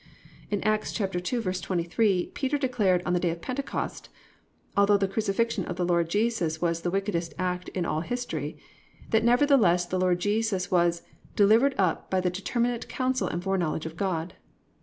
"+ In Acts 2:23 Peter declared on the day of Pentecost (although the crucifixion of the Lord Jesus was the wickedest act in all history) that nevertheless the Lord Jesus was +"Delivered up by the determinate council and foreknowledge of God."